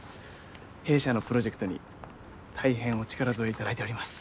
弊社のプロジェクトにたいへんお力添えいただいております。